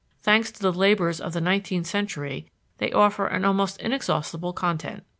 Thanks to the labors of the nineteenth century, they offer an almost inexhaustible content.